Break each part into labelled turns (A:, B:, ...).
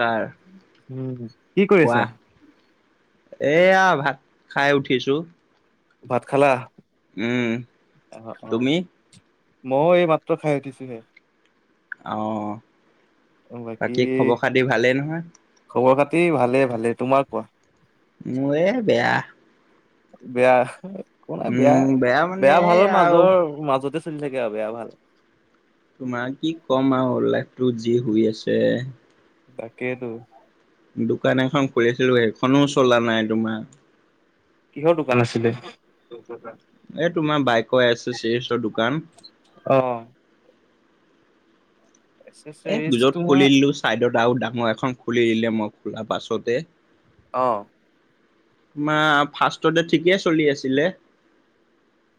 A: কাৰ?
B: উম। কি কৰি
A: কোৱা।
B: আছা?
A: এইয়া ভাত খাই উঠিছো।
B: ভাত খালা?
A: উম।
B: আহ অ'
A: তুমি
B: মইও এই মাত্ৰ খাই উঠিছোহে।
A: অঁ, বাকী খবৰ খাতি ভালেই নহয়?
B: খবৰ খাতি ভালে ভালে। তোমাৰ কোৱা?
A: মোৰ এ বেয়া।
B: বেয়া একো নাই, বেয়া
A: উম মানে
B: বেয়া ভালৰ
A: এইয়া আৰু
B: মাজৰ মাজতে চলি থাকে বেয়া ভাল
A: তোমাৰ কি ক'ম আৰু লাইফটো যি হুই আছে।
B: তাকেইটো।
A: দোকান এখন খুলিছিলো সেইখনো চলা নাই তোমাৰ।
B: কিহৰ দোকান আছিলে?
A: এ তোমাৰ বাইকৰ এ ছে চিৰিছৰ দোকান।
B: অঁ। এ ছে চিৰিছৰ!
A: এ বিলত খুলি দিলো চাইডত আৰু ডাঙৰ এখন খুলি দিলে মই খোলা পাছতে।
B: অঁ।
A: মা'হ ফাৰ্ষ্টতে ঠিকে চলি আছিলে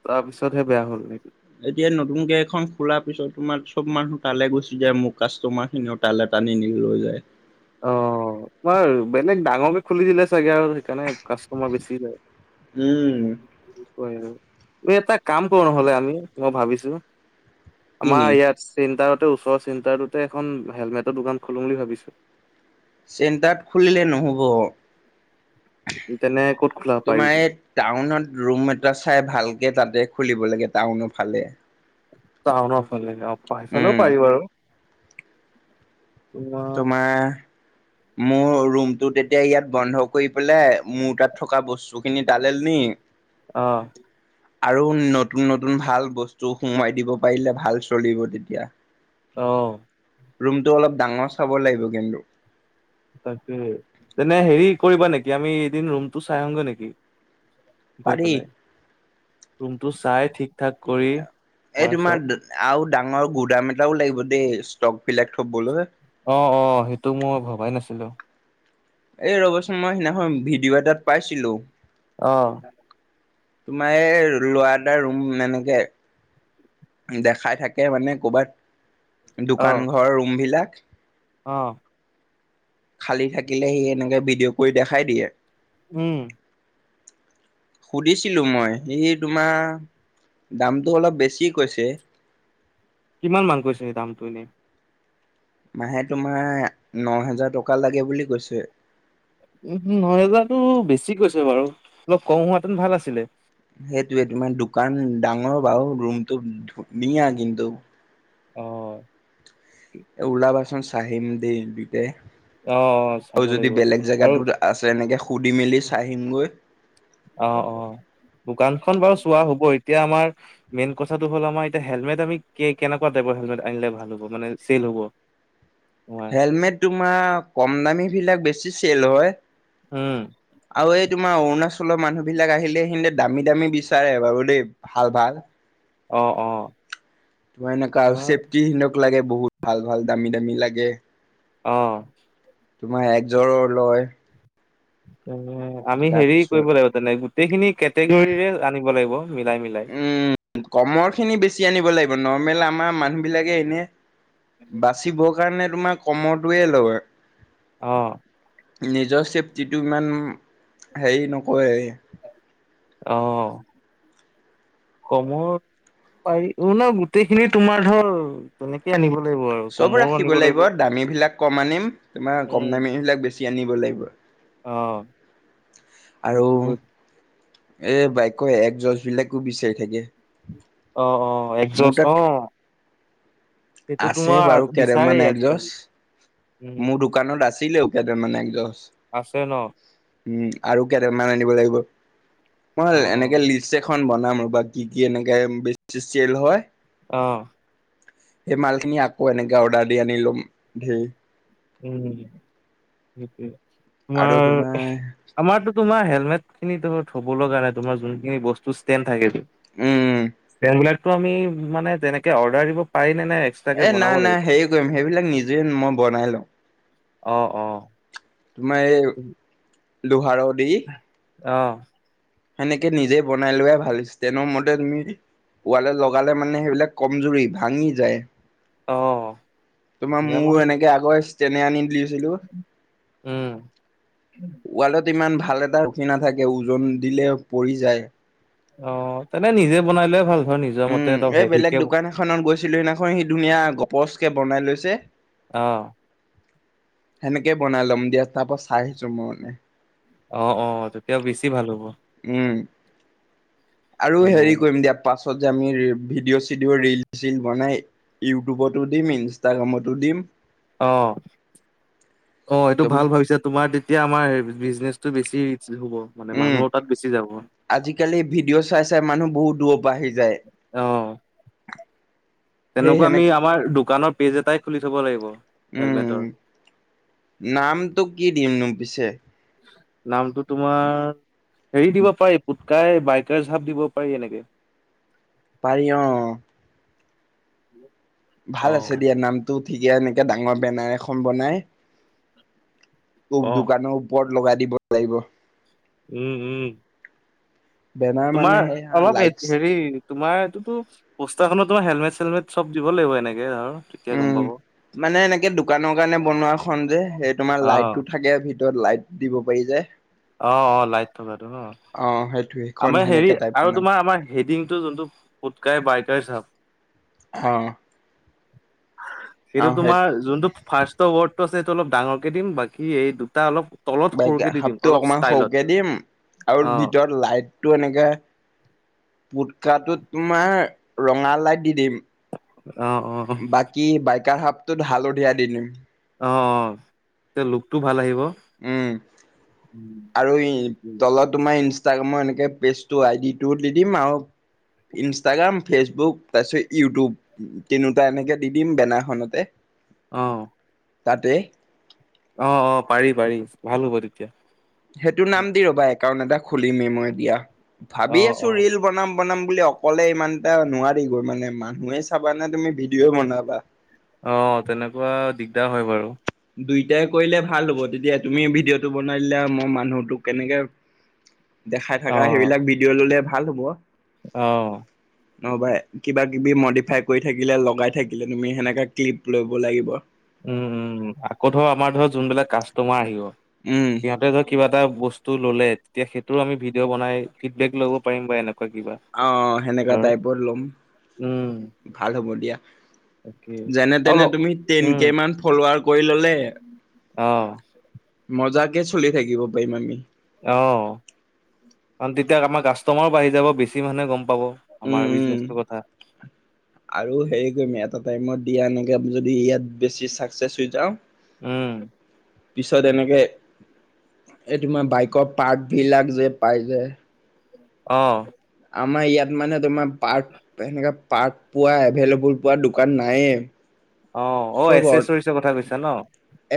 B: তাৰ পিছতহে বেয়া হ'ল নেকি?
A: এতিয়া নতুনকে এখন খোলাৰ পিছত তোমাৰ চব মানুহ তালে গুচি যায়, মোৰ কাষ্টমাৰ খিনি তালে টানি নি লৈ যায়।
B: অ', তোমাৰ বেলেগ ডাঙৰকে খুলি দিলে চাগে, আৰু হেইকাৰণে কাষ্টমাৰ বেছি যায়।
A: উম
B: এটা কাম কৰো নহলে আমি, মই ভাবিছো
A: কি
B: আমাৰ ইয়াত চেণ্টাৰতে, ওচৰৰ চেণ্টাৰটোতে এখন হেলমেটৰ দোকান খুলো বুলি ভাবিছো!
A: চেণ্টাৰত খুলিলে নহ'ব।
B: তেনে ক'ত খোলা
A: তোমাৰ
B: পাৰিবি?
A: এই টাউনত ৰুম এটা চাই ভালকে তাতে খুলিব লাগে, টাউনৰ ফালে।
B: টাউনৰ ফালে অ' সেইফালেও
A: উম
B: পাৰি বাৰু। তোমাৰ
A: তোমাৰ মোৰ ৰুমটো তেতিয়া ইয়াত বন্ধ কৰি পেলাই, মোৰ তাত থকা বস্তু খিনি তালে নি।
B: অ'।
A: আৰু নতুন, নতুন ভাল বস্তু সোমোৱাই দিব পাৰিলে ভাল চলিব তেতিয়া।
B: অ'।
A: ৰুমটো অলপ ডাঙৰ চাব লাগিব কিন্তু।
B: তাকে তেনে হেৰি কৰিবা নেকি, আমি এদিন ৰুমটো চাই আহোগে নেকি? গৈ
A: পাৰি
B: পেলাই, ৰুমটো চাই ঠিক ঠাক কৰি
A: এই তোমাৰ আও ডাঙৰ গুদাম এটাও লাগিব দেই, ষ্টক বিলাক থবলৈ।
B: অ', অ', সেইটো মই ভবাই নাছিলো।
A: এই ৰ'বচোন মই সিদিনাখন ভিডিঅ' এটাত পাইছিলো।
B: অ'।
A: তোমাৰ এই ল'ৰা এটা ৰুম এনেকে দেখাই থাকে মানে, কৰ'বাত দোকান
B: অ',
A: ঘৰৰ ৰুম বিলাক।
B: অ'।
A: খালী থাকিলে সি সেনেকে ভিডিঅ' কৰি দেখাই দিয়ে।
B: উম।
A: সুধিছিলোঁ মই, সি তোমাৰ দামটো অলপ বেছি কৈছে।
B: কিমান মান কৈছে, এই দামটো এনেই?
A: মাহে তোমাৰ ন' হেজাৰ টকা লাগে বুলি কৈছে!
B: উম, ন' হেজাৰতো বেছি কৈছে বাৰু। অলপ কম হোৱা হেতেন ভাল আছিলে?
A: সেইটোয়ে তোমাৰ দোকান ডাঙৰ বাৰু, ৰুমটো ধু-ধুনীয়া কিন্তু।
B: অ'।
A: এ ওলাবাচোন চাই আহিম দেই দুইটাই,
B: অ
A: আও
B: চাব
A: যদি
B: লাগিব
A: বেলেগ
B: আৰু
A: জেগাতো আছে এনেকে সুধি মেলি চাই আহিমগৈ।
B: অ', অ', দোকানখন বাৰু চোৱা হ'ব, এতিয়া আমাৰ মেইন কথাটো হ'ল আমাৰ, এতিয়া হেলমেট আমি কেনেকুৱা টাইপৰ হেলমেট আনিলে ভাল হব মানে চেল হ'ব? [inaudible] তোমাৰ
A: হেলমেট তোমাৰ, কম দামী বিলাক বেছি চেল হয়।
B: উম।
A: আৰু এই তোমাৰ অৰুণাচলৰ মানুহ বিলাক আহিলে, [unintelligible] দামী দামী বিচাৰে বাৰু দেই। ভাল, ভাল।
B: অ', অ'।
A: তো এনেকুৱা আৰু
B: তোমাৰ
A: চেফটি সিনতক লাগে, বহুত ভাল-ভাল দামী-দামী লাগে।
B: অ'।
A: তোমাৰ একযোৰো লয়।
B: আমি হেৰি
A: তাৰপিছত
B: কৰিব লাগিব তেনে, গোটেইখিনি কেটেগৰীৰে আনিব লাগিব মিলাই মিলাই।
A: উম, কমৰ খিনি বেছি আনিব লাগিব নৰ্মেল আমাৰ মানুহ বিলাকে এনে বাচিবৰ কাৰণে তোমাৰ কমৰটোৱে লয়।
B: অ,
A: নিজৰ চেফটিটো ইমান হেৰি নকয়।
B: অ, কমত পাৰি অ, ন গোটেইখিনি তোমাৰ ধৰ তেনেকেই আনিব লাগিব আৰু কমৰো আনিব লাগিব।
A: দামীবিলাক কম আনিম, তোমাৰ কম
B: উম
A: দামীবিলাক বেছি আনিব লাগিব।
B: অ,
A: আৰু এ, বাইাকে এক, যছ বিলাকো বিচাৰি থাকে।
B: অ, অ, এগ,
A: মোৰ
B: যছ
A: তাত
B: অ, সেইটো
A: আছে
B: তোমাৰ
A: বাৰু কেইডালমান
B: বিচাৰেই
A: একজছ
B: আজিকালি। উম
A: মোৰ দোকানত আছিলেও, কেডাল মান এক, যছ।
B: আছে ন।
A: উম, আৰু কেইডালমান আনিব লাগিব,
B: অ
A: মই
B: অ
A: এনেকে লি লিচ, এখন বনাম ৰ'বা কি কি, এনেকে বেছি চেল হয়।
B: অ,
A: সেই মাল খিনি আকৌ এনেকে অৰ্ডাৰ দি আনি লম, উম।
B: উম, সেইটোৱে তোমাৰ আমাৰতো তোমাৰ হেলমেট খিনি থব'লৈ কাৰণে তোমাৰ যোনখিনি বস্তু ষ্টড থাকে যে
A: উম
B: [unintelligible] আমি মানে তেনেকে অৰ্ডাৰ দিব পাৰি নে নে এক্সট্ৰাকে
A: এ,
B: বনাব
A: নাই নাই
B: লাগিব
A: হেই কৰিম সেইবিলাক নিজে মই বনাই লওঁ।
B: অ, অ,
A: তোমাৰ এই, লোহাৰ দি
B: অ,
A: সেনেকে নিজে বনাই লোৱাই ভাল, হৈছটেনো মদেল। ৱালট লগালে মানে সেইবিলাক কমজুৰি, ভাঙি যায়।
B: অ,
A: তোমাৰ
B: সেয়া
A: মোৰো
B: মাল
A: এনেকে আগৰ ইচটেনে আনি দিছিলো।
B: উম
A: ৱালত ইমান ভাল এটা ৰখি নাথাকে ওজন দিলে পৰি যায়।
B: অ, তেনে নিজে বনাই লৈয়ে ভাল ধৰ নিজৰ মতে হেভিকে
A: সখনত গৈছিলো সেইদিনাখন সি ধুনীয়া গপচ কে বনাই লৈছে।
B: অ,
A: সেনেকে বনাই ল'ম দিয়া, তাৰপা চাই আহিছো মই মানে
B: অ, অ, তেতিয়াও বেছি ভাল হ'ব।
A: উম, আৰু হেৰি
B: তোমাৰ
A: কৰিম দিয়া। পাছত যে আমি ভিডিঅ' চিডিঅ' ৰিল চিল বনাই। ইউটিউব'তো দিম, ইনষ্টাগ্ৰাম'তো দিম।
B: অ, অ, এইটো ভাল ভাবিছা তোমাৰ। এতিয়া আমাৰ বিজনেছ টো ৰিচ্ছ হ'ব, মানে
A: উম।
B: মানুহো তাত বেছি যাব।
A: আজিকালি ভিডিঅ' চাই চাই মানুহ বহুত দূৰৰ পৰা আহি যায়।
B: অ
A: সেই
B: তেনেকুৱা
A: সেনে
B: আমি আমাৰ দোকানৰ পেজ এটাই খুলি থ'ব লাগিব।
A: উম,
B: হেলমেটৰ
A: নামটো কি দিমনো পিছে।
B: নামটো তোমাৰ হেৰি, দিব পাৰি পুত কাই বাইকাৰছ হাব, দিব পাৰি এনেকে।
A: পাৰি অ, অ, ভাল
B: অ
A: আছে দিয়া, নামটো ঠিকে এনেকে ডাঙৰ বেনাৰ এখন বনাই। টোক
B: অ
A: দোকানৰ ওপৰত লগাই দিব লাগিব।
B: উম, উম,
A: বেনাৰ মানে
B: তোমাৰ
A: সেই
B: অলপ
A: লাইটছ
B: হেৰি তোমাৰ টোতো পোষ্টাৰখনত তোমাৰ হেলমেট-চেলমেট চব দিব লাগিব এনেকে আ
A: উম, মানে এনেকে দোকানৰ কাৰণে বনোৱা খন যে সেই তোমাৰ
B: অ
A: লাইটটো থাকে ভিতৰত ভিতৰত লাইট দিব পাৰি যে।
B: অ', অ', লাইট থকাটো ন?
A: অ', সেইটোৱেই।
B: আমাৰ হেৰি আৰু তোমাৰ আমাৰ হেডিংটো যোনটো পোটকাই বাইকাৰছ হাব
A: হ।
B: সেইটো তোমাৰ যোনটো ফাৰ্ষ্টৰ ৱৰ্ডটো আছে সেইটো অলপ ডাঙৰকে দিম। বাকী এই দুটা অলপ তলত সৰুকে দি দিম।
A: টো
B: অলপ
A: অকনমান
B: ষ্টাইলত
A: সৰুকে দিম। আৰু
B: অ
A: ভিতৰত লাইটটো এনেকে পুটকাটোত তোমাৰ ৰঙা লাইট দি দিম।
B: অ অ
A: বাকী বাইকাৰ হাবটোত হালধীয়া দি দিম।
B: অ', অ', তে লুকটো ভাল আহিব।
A: উম, আৰু ই তলত তোমাৰ ইঞ্চ ইনষ্টাগ্ৰামৰ এনেকে পেজটো আই ডি টো দি দিম। আৰু ইনষ্টাগ্ৰাম, ফেচবুক তাৰপিছত ইউটিউব। তিনিওটা এনেকে দি দিম বেনাৰখনতে।
B: অ'।
A: তাতে।
B: অ', অ', পাৰি পাৰি ভাল হ'ব তেতিয়া।
A: সেইটো নাম দি ৰ'বা একাউণ্ট এটা খুলিমেই মই এতিয়া।
B: অ
A: ভাবি আছো
B: অ
A: ৰিল বনাম। বনাম বুলি। অকলে ইমানটা নোৱাৰি গৈ মানে মানুহে চাবানে তুমি ভিডিঅ'ই বনাবা।
B: অ', তেনেকুৱা দিগদাৰ হয় বাৰু।
A: দুইটাই কৰিলে ভাল হ'ব। তেতিয়া তুমি ভিডিঅ'টো বনাই দিলে মই মানুহটোক কেনেকে দেখাই থাকা, সেইবিলাক ভিডিঅ' ললে ভাল হ'ব।
B: অহ।
A: নহবা কিবা-কিবি মডিফাই কৰি থাকিলে লগাই থাকিলে তুমি সেনেকা ক্লিপ ল'ব লাগিব।
B: উম উম। আকৌ ধৰ আমাৰ ধৰ যোনবিলাক কাষ্টমাৰ আহিব
A: উম।
B: সিহঁতে ধৰ কিবা এটা বস্তু ল'লে তেতিয়া সেইটোৰো আমি ভিডিঅ' বনাই ফিডবেক ল'ব পাৰিম বা এনেকুৱা কিবা।
A: অহ, হেনেকা
B: ধৰ
A: টাইপত লম।
B: উম
A: ভাল হ'ব দিয়া।
B: তাকে
A: যেনে
B: আৰু
A: তেনে তুমি টেন
B: উম
A: কে মান ফলুৱাৰ কৰি ল'লে,
B: অ',
A: মজাকে চলি থাকিব পাৰিম আমি।
B: অ', কাৰণ তেতিয়া আমাৰ কাষ্টমাৰো বাঢ়ি যাব। বেছি মানুহে গম পাব।
A: উম
B: আমাৰ
A: উম
B: বিজনেছটো কথা।
A: আৰু হেৰি কৰিম এটা টাইমত দিয়া এনেকে যদি ইয়াত বেছি চাকচেছ হৈ যাওঁ
B: উম।
A: পিছত এনেকে, এই তোমাৰ বাইকত পাৰ্টবিলাক যে পাই যে।
B: অ'।
A: আমাৰ ইয়াত মানে তোমাৰ পাৰ্ট হেনেকা পাৰ্ট পোৱা এভেইলেবল পোৱা দোকান নায়ে।
B: অ', অ', এচেছৰিজৰ কথা কৈছা ন?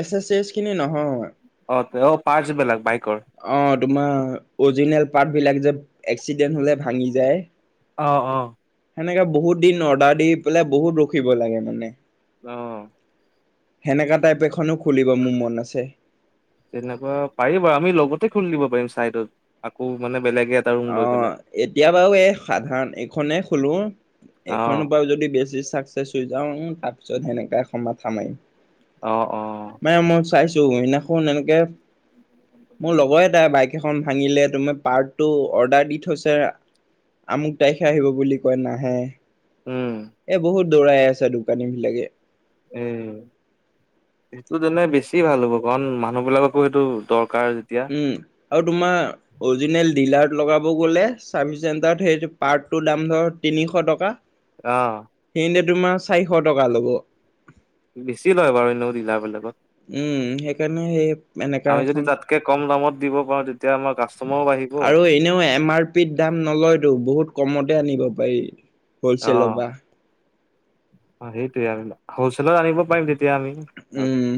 A: এচেছৰিজখিনি নহয়।
B: অ', অ', পাৰ্টছবিলাক বাইকৰ।
A: অ', তোমাৰ অৰিজিনেল পাৰ্টবিলাক যে এক্সিডেণ্ট হ'লে ভাঙি যায়।
B: অ', অ'।
A: হেনেকে বহুত দিন অৰ্ডাৰ দি পেলাই বহুত ৰখিব লাগে মানে।
B: অ'।
A: হেনেকা টাইপ এখনো খুলিব মোৰ মন আছে।
B: তেনেকুৱা পাৰি বাৰু। আমি লগতে খুলি দিব পাৰিম চাইডত। আকৌ মানে বেলেগে এটা ৰুম লৈ পেলাই
A: অ', এতিয়া বাৰু এই সাধাৰণ এইখনে খোলো।
B: অ',
A: এইখনৰ পৰাও যদি বেছি চাকচেছ হৈ যাওঁ, তাৰপিছত সেনেকা এ, মাথা মাৰিম।
B: অ', অ'।
A: মানে মই চাইছো সিদিনাখন এনেকে, মোৰ লগৰএটাই বাইক ক এখন ভাঙিলে, তুমাৰ পাৰ্ট টো অৰ্ডাৰ দি থৈছে, আমুক তাৰিখে আহিব বুলি কয় নাহে।
B: উম।
A: এ, বহুত দৌৰাই আছে দোকানী বিলাকে।
B: উম, সেইটো যেনে বেছি ভাল হ'ব। কাৰণ মানুহ বিলাককো এইটো দৰকাৰ যেতিয়া
A: উম, আৰু তোমাৰ অৰিজিনেল ডিলাৰত লগাব গ'লে, চাৰ্ভি চেণ্টাৰত হেৰি পাৰ্টটোৰ দাম ধৰা তিনিশ টকা।
B: অ'।
A: সিহঁনতে তোমাৰ চাৰিশ টকা ল'ব।
B: বেছি লয় বাৰু এনেও দিলাৰ বিলাকত।
A: উম, সেইকাৰণে সেই এনেকা
B: আমি যদি
A: এখন
B: তাতকে কম দামত দিব পাৰো তেতিয়া আমাৰ কাষ্টমাৰও বাঢ়ি
A: আৰু এনেও এম আৰ পিত দাম নলয়তো, বহুত কমতে আনিব পাৰি। হলচেলৰ
B: অ',
A: পৰা
B: অ', সেইটোয়েই আৰু, আমি হলচেলত আনিব পাৰিম তেতিয়া এতিয়া আমি ধৰ
A: উম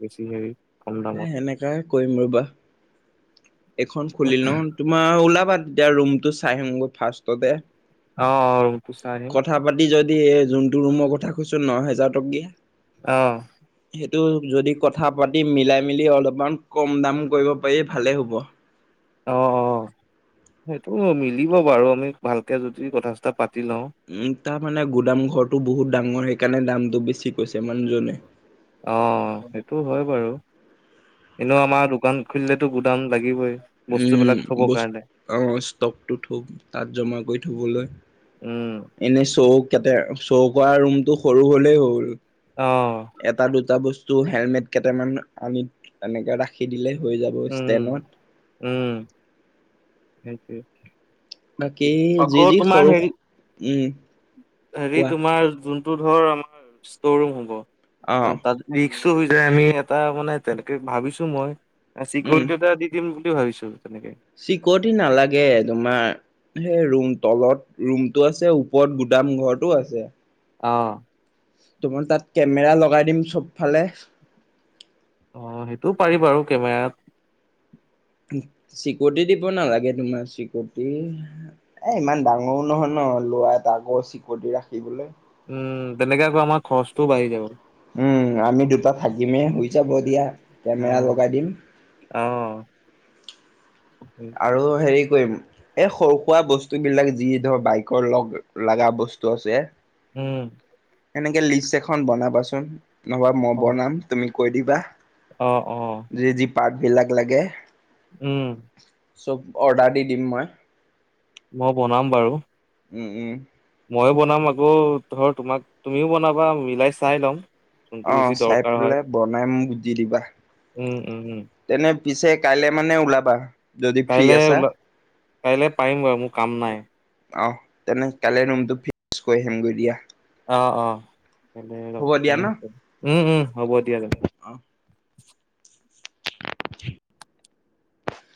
B: বেছি হেৰি কম
A: এ
B: দামত
A: সেনেকাই কৰিম ৰ'বা। এইখন খুলি লওঁ, তোমাৰ ওলাবা তেতিয়া ৰুমটো চাই আহিমগৈ ফাৰ্ষ্টতে।
B: অ', অ', ৰুমটো চাই আহিম।
A: কথা পাতি যদি এ, যোনটো ৰুমৰ কথা কৈছো ন' হেজাৰ টকীয়া
B: অ'।
A: সেইটো যদি কথা পাতি মিলাই মেলি অলপমান কম দাম কৰিব পাৰি ভালে হ'ব।
B: অ', অ', সেইটো মিলিব বাৰু, আমি ভালকে যদি কথা চতা পাতি লওঁ।
A: উম, তাৰ মানে গুদাম ঘৰটো বহুত ডাঙৰ সেইকাৰণে দামটো বেছি কৈছে মানুহজনে।
B: অ', সেইটোও হয় বাৰু। এনেও আমাৰ দোকান খুলিলেতো গুদান লাগিবই,
A: উম,
B: বস্তুবিলাক থব
A: বস্তু
B: কাৰণে।
A: অ', ষ্টকটো থব তাত জমা কৰি থবলৈ,
B: উম।
A: এনে চৌক কেতে চৌকা ৰুমটো সৰু হলেই হ'ল।
B: অ'।
A: এটা দুটা বস্তু হেলমেট কেইটামান আনি এনেকে ৰাখ সি দিলেই হৈ যাব [unintelligible]
B: উম, উম। সেইটোৱেই।
A: বাকী যি
B: আকৌ
A: যি
B: তোমাৰ
A: সৰু
B: হেৰি,
A: উম,
B: হেৰি
A: কোৱা
B: তোমাৰ যোন যোনতো ধৰ আমাৰ ষ্টৰ ৰুম হ'ব,
A: অ'
B: কাৰন তাত ৰিক্সো হৈ যায়, আমি এটা মানে তেনেকে ভাবিছোঁ মই
A: উম।
B: চিকৰিটি এটা দি দিম বুলি ভাবিছোঁ তেনেকে।
A: চিকৰটি নালাগে, তোমাৰ সেই ৰুম তলত ৰুমটো আছে, ওপৰত গুদাম ঘৰটো আছে।
B: অ'।
A: তোমাৰ তাত কেমেৰা লগাই দিম চবফালে।
B: অ', সেইটোও পাৰি বাৰু কেমেৰাত।
A: চিকৰটি দিব নালাগে, তোমাৰ চিকৰটি এ ইমান ডাঙৰো নহয় নহ, লৰা এটা আগৰ চিকৰটি ৰাখিবলৈ।
B: উম, তেনেকে আকৌ আমাৰ খৰচটোও বাঢ়ি যাব।
A: উম, আমি দুটা থাকিমে হয় যাব দিয়া! কেমেৰা
B: অ',
A: লগাই দিম।
B: অ'।
A: আৰু হেৰি কৰিম এই সৰু-সুৰা বস্তুবিলাক যি ধৰ বাইকৰ লগ লাগা বস্তু আছে।
B: উম।
A: এনেকে লিষ্ট এখন বনাবাচোন নহ'বা মই
B: অ',
A: বনাম তুমি কৈ দিবা।
B: অ', অ'।
A: যি যি পাৰ্টবিলাক লাগে।
B: উম।
A: চব অৰ্ডাৰ দি দিম মই।
B: মই বনাম বাৰু।
A: উম, উম।
B: ময়ো বনাম। আকৌ ধৰ তোমাক তুমিও বনাবা। মিলাই চাই লম। যোনটো
A: অ',
B: বেছি
A: চাই
B: দৰকাৰ হয়,
A: পেলাই বনাই মোক দি দিবা।
B: উম, উম, উম,
A: তেনে পিছে কাইলে মানে ওলাবা। যদি ফ্ৰী
B: কাইলে
A: আছা।
B: ওলা কাইলে পাৰিম বাৰু। মোৰ কাম নাই।
A: অহ। তেনে কালি ৰুমটো ফিক্স কৰি আহিমগৈ দিয়া।
B: অ', অ'
A: হ'ব দিয়া ন
B: [unintelligible] উম, উম হ'ব দিয়া তেনে।
A: অ'।